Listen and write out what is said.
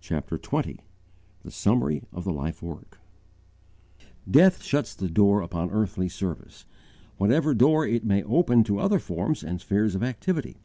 CHAPTER XX THE SUMMARY OF THE LIFE WORK DEATH shuts the door upon earthly service, whatever door it may open to other forms and spheres of activity.